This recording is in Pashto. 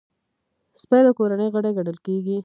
سپي د کورنۍ غړی ګڼل کېږي.